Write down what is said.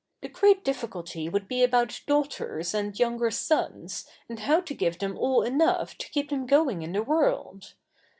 The great difficulty would be about daughters and younger sons, and how to give them all enough to keep them going in the world.